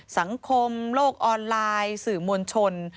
สังคมโลกออนไลน์สื่อมวลชน